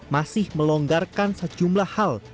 masih melonggarkan sejumlah hal